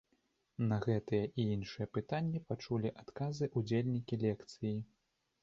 На гэтыя і іншыя пытанні пачулі адказы удзельнікі лекцыі.